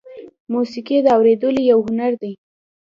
موسیقي د اورېدلو یو هنر دی.